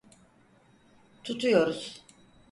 Tutuyoruz.